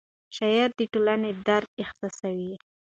شاعر د ټولنې درد احساسوي.